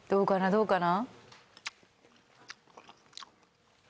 どうかな？